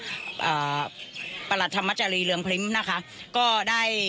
อะประหลัดธรรมจริระรงพลิปนะคะก็ได้